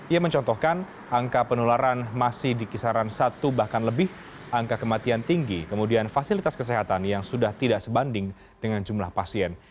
ia mencontohkan angka penularan masih di kisaran satu bahkan lebih angka kematian tinggi kemudian fasilitas kesehatan yang sudah tidak sebanding dengan jumlah pasien